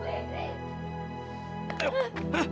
bu ingrid jangan